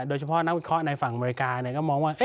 โดยเฉพาะนักวิเคราะห์ในฝั่งอเมริกาก็มองว่า